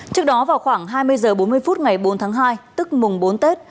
trước đó vào khoảng hai mươi h bốn mươi phút ngày bốn tháng hai tức mùng bốn tết